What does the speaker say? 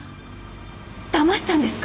だましたんですか！？